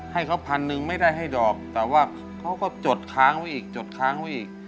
ให้เขาพันหนึ่งไม่ได้ให้ดอกแต่ว่าเขาก็จดค้างไว้อีกจดค้างไว้อีก